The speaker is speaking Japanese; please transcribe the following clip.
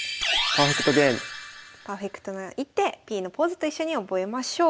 パーフェクトな一手Ｐのポーズと一緒に覚えましょう。